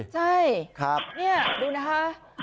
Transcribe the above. ใช่นี่ดูนะคะ